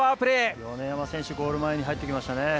米山選手、ゴール前に入ってきましたね。